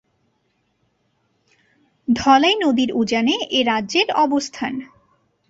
ধলাই নদীর উজানে এ রাজ্যের অবস্থান।